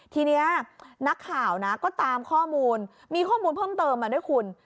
ทีนี้นักข่าวนะก็ตามข้อมูลมีข้อมูลเพิ่มเติมมาด้วยคุณ